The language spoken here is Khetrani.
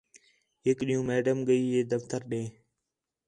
ہِک ݙِین٘ہوں میڈم ڳئی ہے دفتر ݙے